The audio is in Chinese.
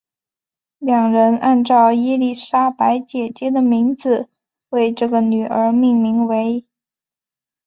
两人按照伊丽莎白姐姐的名字为这个女儿命名为。